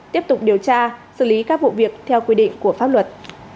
tiếp tục điều tra xử lý các vụ việc theo quy định của pháp luật